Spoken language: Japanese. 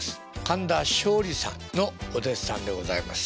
神田松鯉さんのお弟子さんでございます